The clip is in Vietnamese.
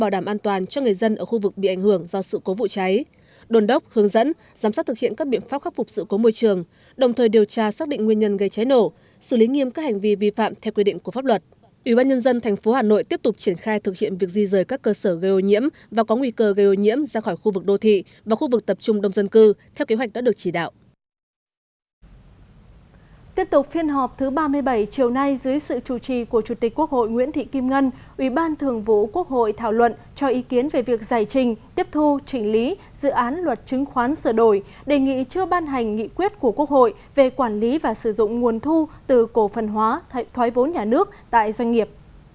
dự án luật chứng khoán sửa đổi đề nghị chưa ban hành nghị quyết của quốc hội về quản lý và sử dụng nguồn thu từ cổ phần hóa thay thói vốn nhà nước tại doanh nghiệp